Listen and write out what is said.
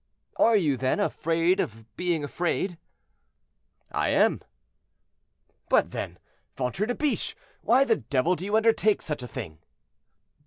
"Are you, then, afraid of being afraid?" "I am." "But then, ventre de biche, why the devil do you undertake such a thing?"